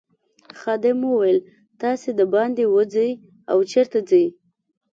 خادم وویل تاسي دباندې وزئ او چیرته ځئ.